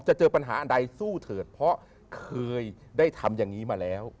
เจอปัญหาอันใดสู้เถิดเพราะเคยได้ทำอย่างนี้มาแล้ว